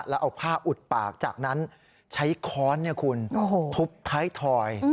แล้วเอาผ้าอุดปากจากนั้นใช้ค้อนคุณทุบท้ายถอย